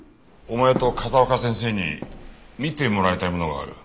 お前と風丘先生に診てもらいたいものがある。